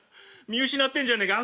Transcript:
見失ってんじゃねえか。